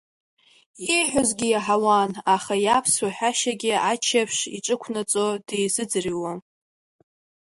Ииҳәозгьы иаҳауан, аха иаԥсшәа ҳәашьагьы аччаԥшь иҿықәнаҵо дизыӡырҩуан.